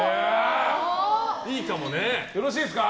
よろしいですか？